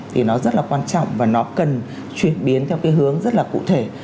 thì nó rất là quan trọng và nó cần chuyển biến theo cái hướng rất là cụ thể